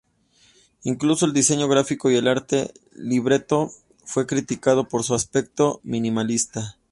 Incluso el diseño gráfico y arte del libreto fue criticado por su aspecto minimalista.